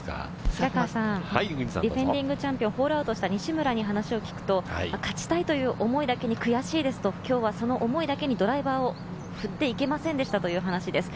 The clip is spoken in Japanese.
平川さん、ディフェンディングチャンピオンホールアウトした西村に話を聞くと、勝ちたいという思いだけに悔しいですと、きょうはその思いだけにドライバーを振っていけませんでしたという話です。